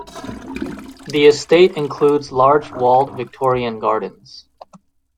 The Estate includes large walled Victorian Gardens.